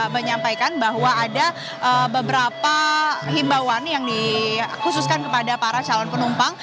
menyampaikan bahwa ada beberapa himbauan yang dikhususkan kepada para calon penumpang